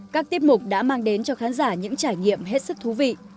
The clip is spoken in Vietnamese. các tiết mục đã mang đến cho khán giả những trải nghiệm hết sức thú vị